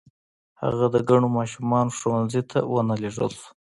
هغه د کڼو ماشومانو ښوونځي ته و نه لېږل شو.